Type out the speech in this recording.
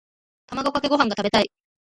卵かけご飯が食べたい。